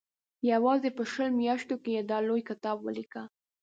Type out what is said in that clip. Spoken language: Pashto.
یوازې په شلو میاشتو کې یې دا لوی کتاب ولیکه.